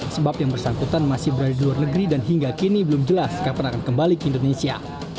sebab yang bersangkutan masih berada di luar negeri dan hingga kini belum jelas kapan akan kembali ke indonesia